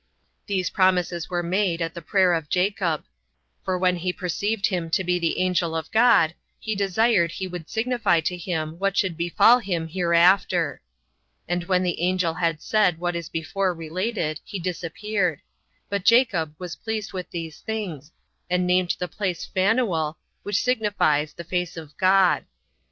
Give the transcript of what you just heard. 37 These promises were made at the prayer of Jacob; for when he perceived him to be the angel of God, he desired he would signify to him what should befall him hereafter. And when the angel had said what is before related, he disappeared; but Jacob was pleased with these things, and named the place Phanuel, which signifies, the face of God.